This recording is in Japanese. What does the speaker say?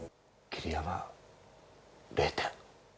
霧山０点。